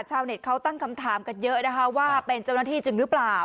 ชาวเน็ตเขาตั้งคำถามกันเยอะนะคะว่าเป็นเจ้าหน้าที่จริงหรือเปล่า